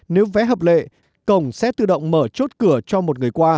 nếu vé hợp lệ cổng sẽ tự động mở chốt cửa cho một người qua